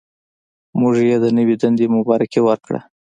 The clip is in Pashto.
موږ یې د نوې دندې مبارکي ورکړه.